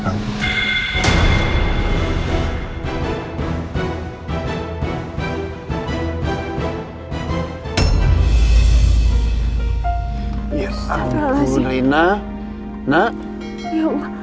ya ampun rena